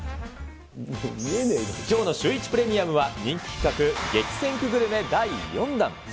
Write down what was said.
きょうのシューイチプレミアムは人気企画、激戦区グルメ、第４弾。